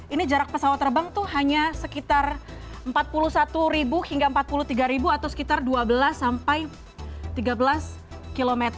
ini jarak pesawat terbang itu hanya sekitar empat puluh satu hingga empat puluh tiga atau sekitar dua belas sampai tiga belas km